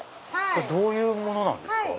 どういうものなんですか？